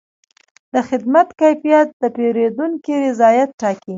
د خدمت کیفیت د پیرودونکي رضایت ټاکي.